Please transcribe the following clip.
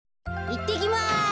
いってきます。